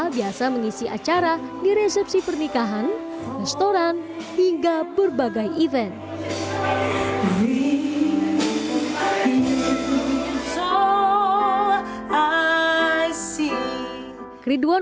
biasa mengisi acara di resepsi pernikahan restoran hingga berbagai event